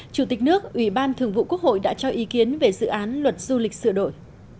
chủ tịch nước ủy ban thường vụ quốc hội đã cho ý kiến về dự án luật du lịch sửa đổi